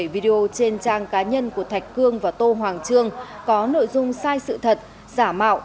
video trên trang cá nhân của thạch cương và tô hoàng trương có nội dung sai sự thật giả mạo